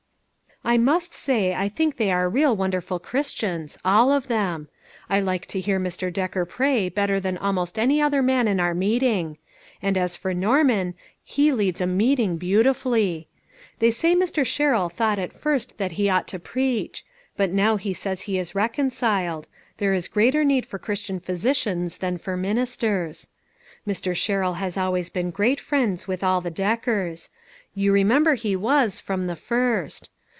I must say I think they are real wonder ful Christians, all of them. I like to hear Mr. Decker pray better than almost any other man in our meeting ; and as for Norman, he leads a meeting beautifully. They say Mr. Sherrill thought at first that he ought to pi'each ; but now he says he is reconciled ; there is greater need for Christian physicians than for ministers. Mr. Sherrill has always been great friends with all the Deckers ; you remember he was, from the first.